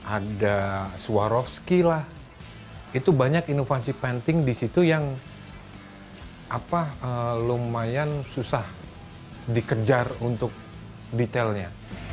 ada swarovski lah itu banyak inovasi penting di situ yang lumayan susah dikejar untuk detailnya